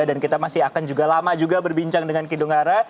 dan kita masih akan juga lama juga berbincang dengan kidung hara